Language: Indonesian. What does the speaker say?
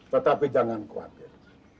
tetapi jangan khawatir